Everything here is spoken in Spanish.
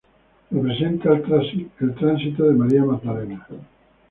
Representa el tránsito de María Magdalena.